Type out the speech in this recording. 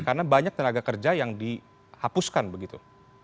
karena banyak tenaga kerja yang dihapuskan begitu